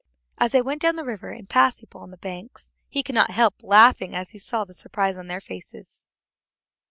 As they went down the river and passed people on the banks, he could not help laughing as he saw the surprise on their faces.